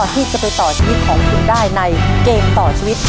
ที่จะไปต่อชีวิตของคุณได้ในเกมต่อชีวิต